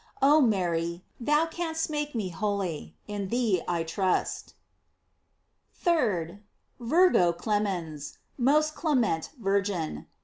Oh, Mary the a canst make me holy; in thee I trust. 3d. "Virgo clemens:" Most clement Virgin.